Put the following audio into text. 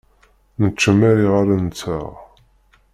Nettcemmiṛ iɣallen-nteɣ.